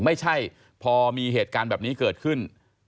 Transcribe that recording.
ไม่ใช่พอมีเหตุการณ์แบบนี้เกิดขึ้น